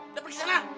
udah pergi ke sana